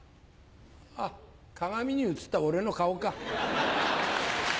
あっ鏡に映った俺の顔か。